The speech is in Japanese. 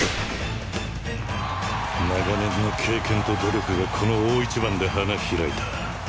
長年の経験と努力がこの大一番で花開いた